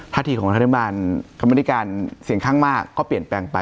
ทีของรัฐบาลกรรมนิการเสียงข้างมากก็เปลี่ยนแปลงไป